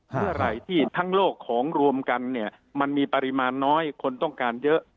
เมื่อไหร่ที่ทั้งโลกของรวมกันเนี่ยมันมีปริมาณน้อยคนต้องการเยอะ